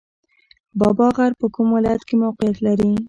بابا غر په کوم ولایت کې موقعیت لري؟